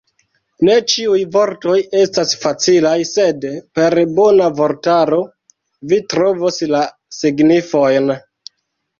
Ne ĉiuj vortoj estas facilaj, sed per bona vortaro, vi trovos la signifojn.